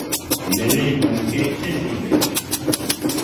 لەرەی مەمکەی چەشنی بەی